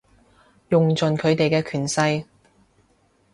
用盡佢哋嘅權勢